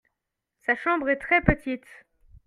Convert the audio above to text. Sa chambre est très petite.